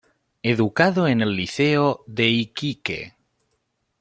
Educado en el Liceo de Iquique.